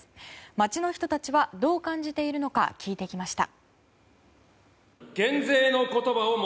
街の人たちはどう感じているのか聞いてきました。